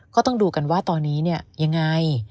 ก็ต้องดูกันว่าตอนนี้เนี่ยยังไง